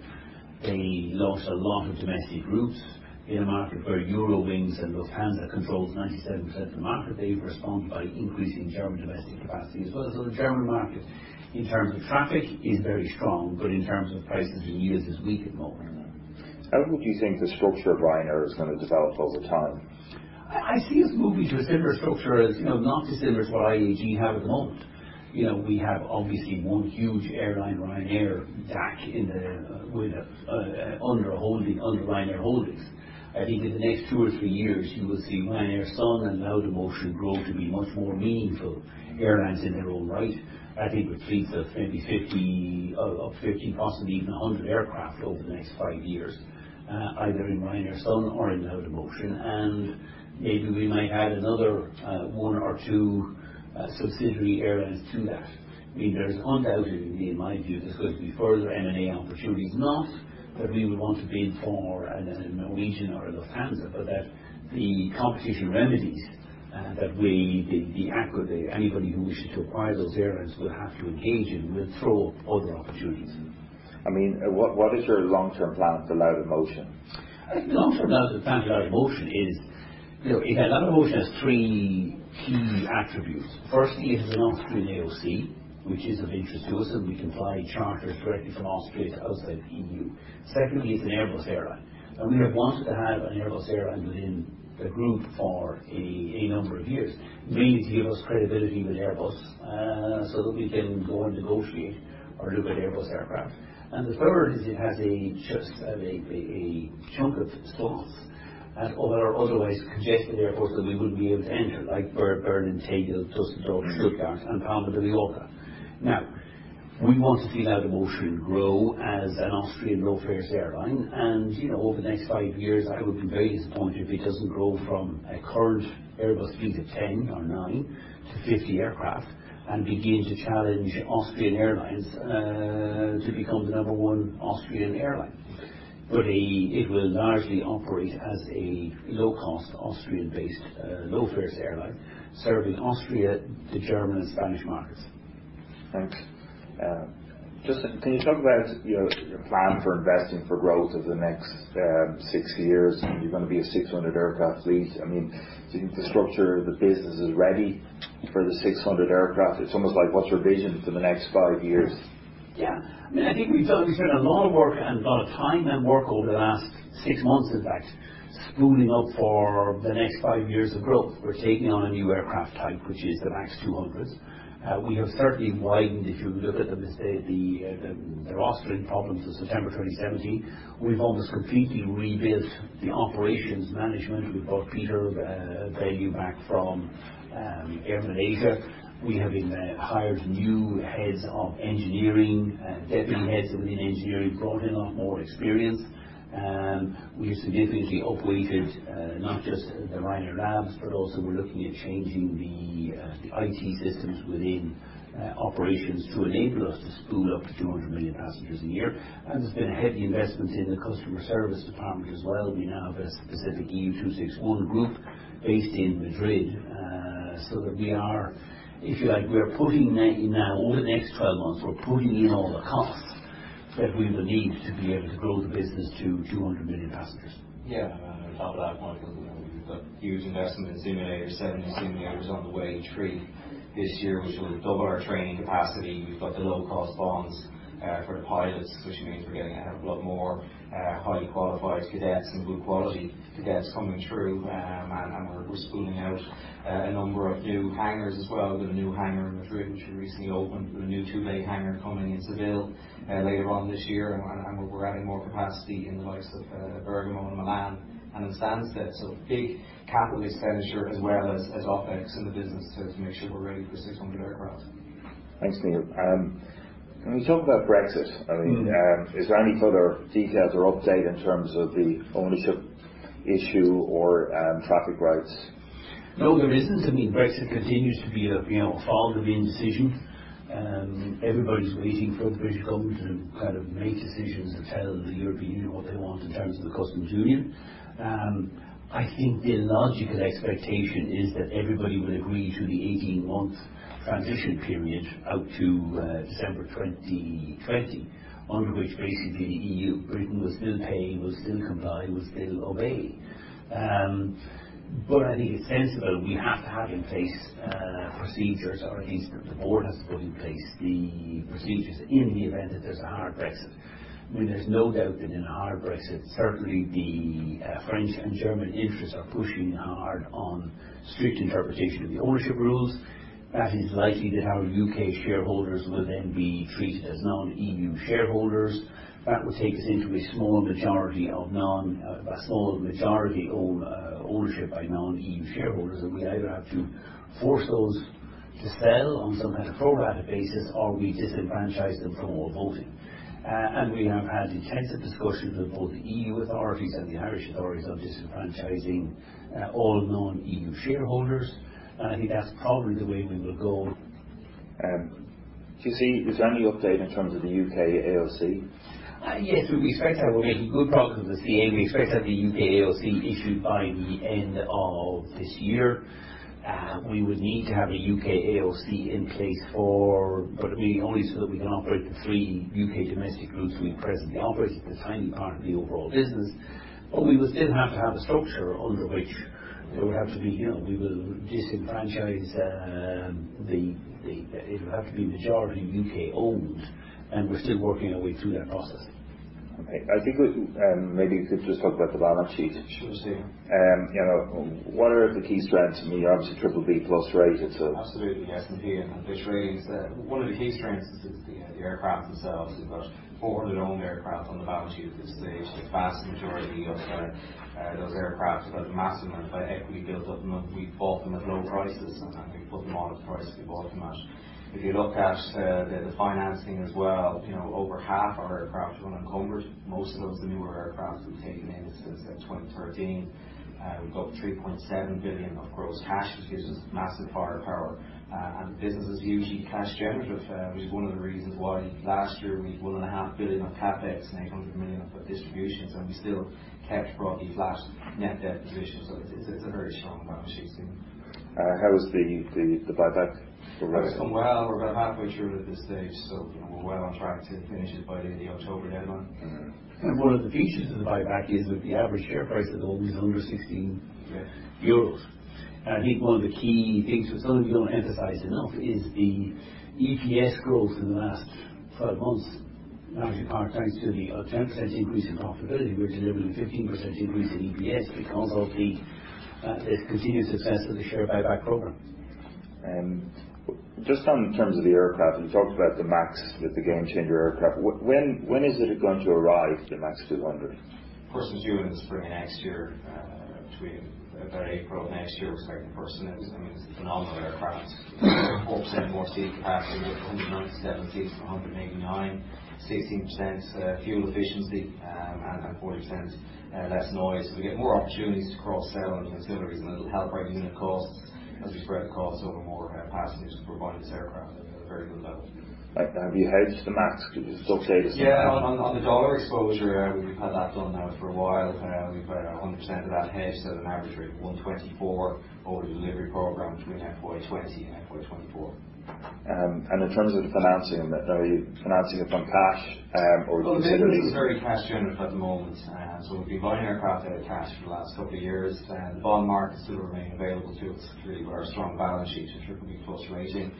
They lost a lot of domestic routes in a market where Eurowings and Lufthansa controls 97% of the market. They've responded by increasing German domestic capacity as well. The German market in terms of traffic is very strong, but in terms of prices and yields is weak at the moment. How do you think the structure of Ryanair is going to develop over time? I see us moving to a similar structure as not dissimilar to what IAG have at the moment. We have obviously one huge airline, Ryanair DAC under Ryanair Holdings. In the next two or three years, you will see Ryanair Sun and Laudamotion grow to be much more meaningful airlines in their own right. With fleets of maybe 50, possibly even 100 aircraft over the next five years, either in Ryanair Sun or in Laudamotion, and maybe we might add another one or two subsidiary airlines to that. There's undoubtedly, in my view, there's going to be further M&A opportunities. Not that we would want to bid for a Norwegian or a Lufthansa, but that the competition remedies that we, the EC, anybody who wishes to acquire those airlines will have to engage in will throw up other opportunities. What is your long-term plan for Laudamotion? I think the long-term plan for Laudamotion is that Laudamotion has three key attributes. Firstly, it has an Austrian AOC, which is of interest to us, and we can fly charters directly from Austria to outside the EU. Secondly, it's an Airbus airline, and we have wanted to have an Airbus airline within the group for a number of years, mainly to give us credibility with Airbus, so that we can go and negotiate or look at Airbus aircraft. The third is it has a chunk of slots at otherwise congested airports that we wouldn't be able to enter, like Berlin Tegel, Düsseldorf, Stuttgart, and Palma de Mallorca. We want to see Laudamotion grow as an Austrian low-fares airline. Over the next five years, I would be very disappointed if it doesn't grow from a current Airbus fleet of 10 or nine to 50 aircraft and begin to challenge Austrian Airlines to become the number one Austrian airline. It will largely operate as a low-cost Austrian-based low-fares airline serving Austria, the German, and Spanish markets. Thanks. Justin, can you talk about your plan for investing for growth over the next six years? You're going to be a 600 aircraft fleet. Do you think the structure of the business is ready for the 600 aircraft? It's almost like, what's your vision for the next five years? I think we've done a lot of work and a lot of time and work over the last six months, in fact, spooling up for the next five years of growth. We're taking on a new aircraft type, which is the MAX 200s. We have certainly widened, if you look at the rostering problems of September 2017, we've almost completely rebuilt the operations management. We brought Peter Bellew back from Malaysia Airlines. We have hired new heads of engineering and deputy heads within engineering, brought in a lot more experience. We have significantly up-weighted not just the Ryanair Labs, but also we're looking at changing the IT systems within operations to enable us to spool up to 200 million passengers a year. There's been heavy investment in the customer service department as well. We now have a specific EU261 group based in Madrid. That we are, if you like, we are putting in now over the next 12 months, we're putting in all the costs that we will need to be able to grow the business to 200 million passengers. Yeah. On top of that, Michael, we've got huge investment in simulators, three simulators on the way, three this year, which will double our training capacity. We've got the low-cost bonds for the pilots, which means we're getting a lot more highly qualified cadets and good quality cadets coming through. We're spooling out a number of new hangars as well. We've got a new hangar in Madrid, which we recently opened, with a new two-bay hangar coming in Seville later on this year, and we're adding more capacity in the likes of Bergamo and Milan and in Stansted. Big capital expenditure as well as OpEx in the business to make sure we're ready for 600 aircraft. Thanks, Neil. Can we talk about Brexit? Is there any further details or update in terms of the ownership issue or traffic rights? No, there isn't. Brexit continues to be a fall-to-me decision. Everybody's waiting for the British government to make decisions and tell the European Union what they want in terms of the customs union. I think the logical expectation is that everybody will agree to the 18-month transition period out to December 2020, under which basically the EU, Britain will still pay, will still comply, will still obey. I think it's sensible we have to have in place procedures, or at least the board has to put in place the procedures in the event that there's a hard Brexit. There's no doubt that in a hard Brexit, certainly the French and German interests are pushing hard on strict interpretation of the ownership rules. That is likely that our U.K. shareholders will then be treated as non-EU shareholders. That will take us into a small majority ownership by non-EU shareholders, and we either have to force those to sell on some kind of pro-rata basis, or we disenfranchise them from all voting. We have had intensive discussions with both the EU authorities and the Irish authorities on disenfranchising all non-EU shareholders. I think that's probably the way we will go. Do you see is there any update in terms of the U.K. AOC? Yes. We're making good progress with the CAA. We expect to have the U.K. AOC issued by the end of this year. We would need to have a U.K. AOC in place only so that we can operate the three U.K. domestic routes we presently operate. It's a tiny part of the overall business, but we would still have to have a structure under which it would have to be majority U.K.-owned. We're still working our way through that process. Okay. I think maybe we could just talk about the balance sheet. Sure, Stephen. What are the key strengths? I mean, you're obviously triple B plus rated, so. Absolutely, S&P and Fitch ratings. One of the key strengths is the aircraft themselves. We've got 400 owned aircraft on the balance sheet at this stage. The vast majority of those aircraft have got a massive amount of equity built up in them. We bought them at low prices, and we put them on at the price we bought them at. If you look at the financing as well, over half our aircraft are unencumbered. Most of those are the newer aircraft we've taken in since 2013. We've got 3.7 billion of gross cash, which gives us massive firepower. The business is hugely cash generative, which is one of the reasons why last year we had 1.5 billion on CapEx and 800 million on distributions, and we still kept a broadly flat net debt position. It's a very strong balance sheet, Stephen. How is the buyback progressing? Going well. We're about halfway through it at this stage, we're well on track to finish it by the October deadline. One of the features of the buyback is that the average share price is always under 16 euros. I think one of the key things which some of you don't emphasize enough is the EPS growth in the last 12 months, largely in part thanks to the 10% increase in profitability. We're delivering a 15% increase in EPS because of the continued success of the share buyback program. Just in terms of the aircraft, you talked about the MAX as the game changer aircraft. When is it going to arrive, the MAX 200? First is due in the spring of next year, between about April of next year personally. I mean, it's a phenomenal aircraft. 4% more seat capacity with 197 seats to 189, 16% fuel efficiency, and 40% less noise. We get more opportunities to cross-sell on the ancillaries, and it'll help bring unit costs as we spread the cost over more passengers we provide in this aircraft at a very good level. Have you hedged the MAX? Yeah. On the dollar exposure, we've had that done now for a while. We've got 100% of that hedged at an average rate of 124 over the delivery program between FY 2020 and FY 2024. In terms of financing that, are you financing it from cash? Well, the business is very cash generative at the moment, we've been buying aircraft out of cash for the last couple of years. The bond markets still remain available to us really by our strong balance sheet and BBB+ rating.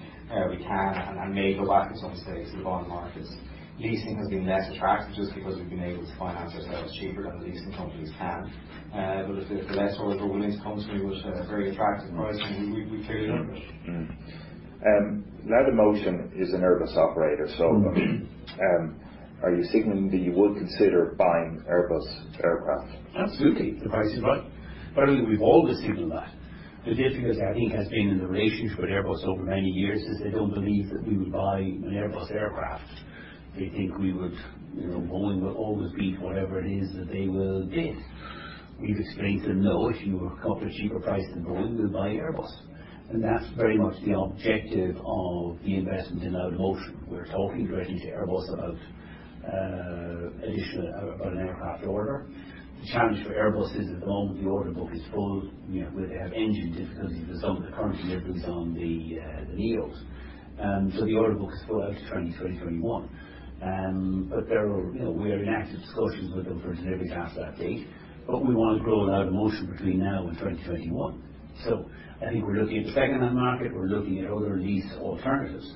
We can and may go back at some stage to the bond markets. Leasing has been less attractive just because we've been able to finance ourselves cheaper than the leasing companies can. If the lessor is willing to come to me with a very attractive pricing, we'd take it up. Laudamotion is an Airbus operator. Are you signaling that you would consider buying Airbus aircraft? Absolutely, if the price is right. By the way, we've always signaled that. The difficulty I think has been in the relationship with Airbus over many years, since they don't believe that we would buy an Airbus aircraft. They think Boeing will always beat whatever it is that they will bid. We've explained to them, "No, if you come up with a cheaper price than Boeing, we'll buy Airbus." That's very much the objective of the investment in Laudamotion. We're talking directly to Airbus about an additional aircraft order. The challenge for Airbus is at the moment, the order book is full. They have engine difficulties with some of the current deliveries on the NEOs. The order book is full out to 2020, 2021. We are in active discussions with them for deliveries after that date. We want to grow Laudamotion between now and 2021. I think we're looking at the secondhand market. We're looking at other lease alternatives.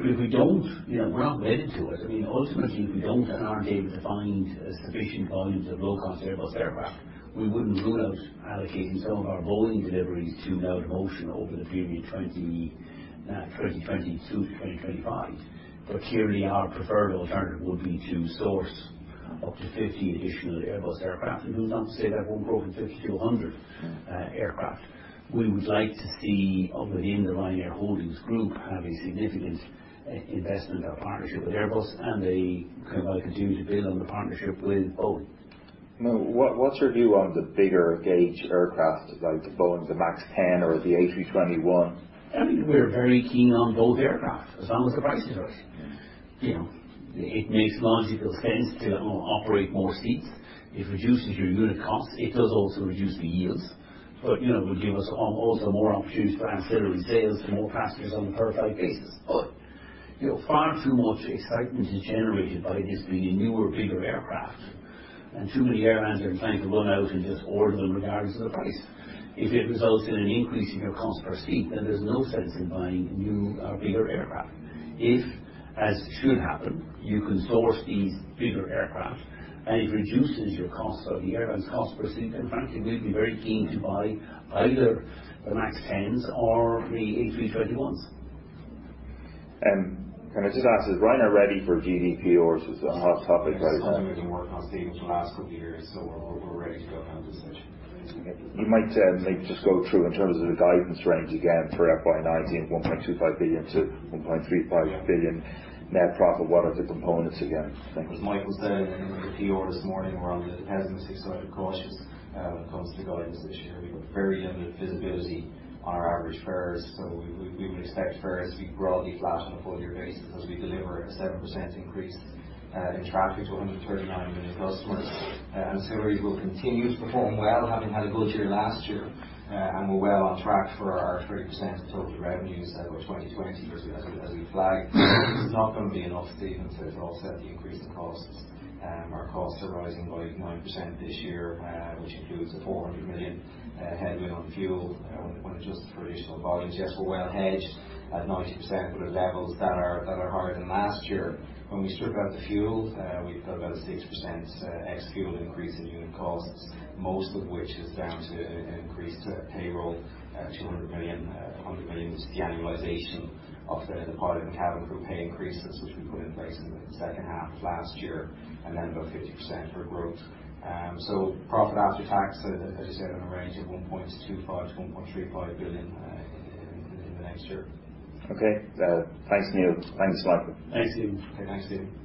If we don't, we're not wedded to it. Ultimately, if we don't and aren't able to find sufficient volumes of low-cost Airbus aircraft, we wouldn't rule out allocating some of our Boeing deliveries to Laudamotion over the period 2022 to 2025. Clearly, our preferred alternative would be to source up to 50 additional Airbus aircraft. Who's to say that won't grow from 50 to 100 aircraft? We would like to see within the Ryanair Holdings group have a significant investment or partnership with Airbus and a kind of like a duty to build on the partnership with both. What's your view on the bigger gauge aircraft like the Boeing, the MAX 10 or the A321? I think we're very keen on both aircraft, as long as the price is right. Yeah. It makes logical sense to operate more seats. It reduces your unit cost. It does also reduce the yields. It would give us also more opportunities for ancillary sales to more passengers on a per flight basis. Far too much excitement is generated by just bringing newer, bigger aircraft, and too many airlines are inclined to run out and just order them regardless of the price. If it results in an increase in your cost per seat, there's no sense in buying new or bigger aircraft. If, as should happen, you can source these bigger aircraft and it reduces your cost or the airline's cost per seat, frankly, we'd be very keen to buy either the MAX 10s or the A321s. Can I just ask, is Ryanair ready for GDPR or is this a hot topic right now? It's something we've been working on, Stephen, for the last couple of years, we're ready to go down that route. You might maybe just go through in terms of the guidance range again for FY 2019, $1.25 billion to $1.35 billion net profit. What are the components again? Thank you. As Michael said in the PR this morning, we're on the pessimistic side of cautious when it comes to guidance this year. We've got very limited visibility on our average fares. We would expect fares to be broadly flat on a full year basis as we deliver a 7% increase in traffic to 139 million customers. Ancillaries will continue to perform well, having had a good year last year, and we're well on track for our 30% of total revenues by 2020 as we flagged. It's not going to be enough, Stephen, to offset the increase in costs. Our costs are rising by 9% this year, which includes a $400 million headwind on fuel when adjusted for additional volumes. Yes, we're well hedged at 90%, but at levels that are higher than last year. When we strip out the fuel, we've got about a 6% ex-fuel increase in unit costs, most of which is down to an increase to payroll, $200 million. $100 million is the annualization of the pilot and cabin crew pay increases, which we put in place in the second half of last year, and then about 50% for growth. Profit after tax, as I said, in a range of $1.25 billion-$1.35 billion in the next year. Okay. Thanks, Neil. Thanks, Michael. Thanks, Stephen. Okay. Thanks, Stephen.